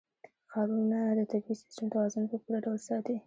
ښارونه د طبعي سیسټم توازن په پوره ډول ساتي.